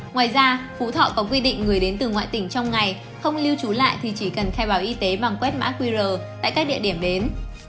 ngoài ra phú thọ có quy định người đến từ ngoại tỉnh trong ngày không lưu trú lại thì chỉ cần khai báo y tế bằng quét mã qr tại các địa điểm đến